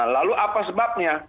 lalu apa sebabnya